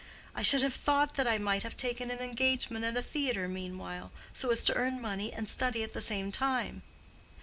I should have thought that I might have taken an engagement at a theatre meanwhile, so as to earn money and study at the same time."